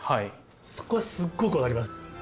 そこがすっごく分かります。